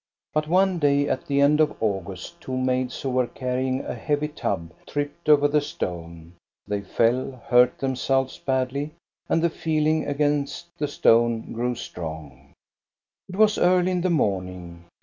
But one day at the end of August, two maids, who were carrying a heavy tub, tripped over the stone ; they fell, hurt themselves badly, and the feeling against the stone grew strong. It was early in the morning.